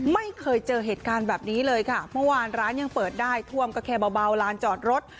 ไม่เคยเจอเหตุการณ์แบบนี้เลยค่ะเมื่อวานร้านยังเปิดได้ท่วมก็แค่เบาลานจอดรถ